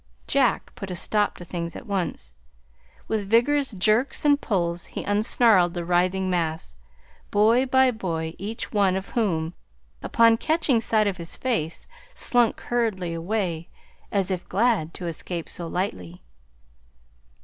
Jack put a stop to things at once. With vigorous jerks and pulls he unsnarled the writhing mass, boy by boy, each one of whom, upon catching sight of his face, slunk hurriedly away, as if glad to escape so lightly.